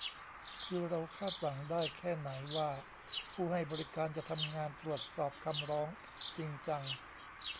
คือเราคาดหวังได้แค่ไหนว่าผู้ให้บริการจะทำงานตรวจสอบคำร้องจริงจัง